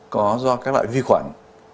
có do các loại vi khoản